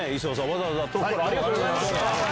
わざわざ遠くからありがとうございました。